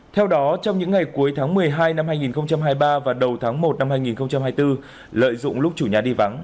theo đó trong những ngày cuối tháng một mươi hai năm hai nghìn hai mươi ba và đầu tháng một năm hai nghìn hai mươi bốn lợi dụng lúc chủ nhà đi vắng